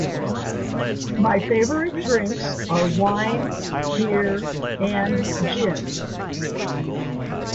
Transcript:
My favourite drinks are wine, beer and gin.